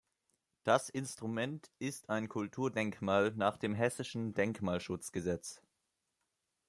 Das Instrument ist ein Kulturdenkmal nach dem Hessischen Denkmalschutzgesetz.